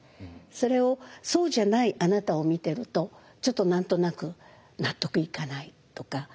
それをそうじゃないあなたを見てるとちょっと何となく納得いかないとか。